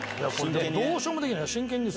どうしようもできない真剣に。